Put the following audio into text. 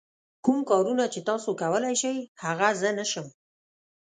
کوم کارونه چې تاسو کولای شئ هغه زه نه شم.